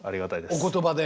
お言葉で。